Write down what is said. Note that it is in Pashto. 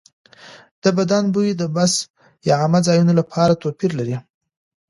د بدن بوی د بس یا عامه ځایونو لپاره توپیر لري.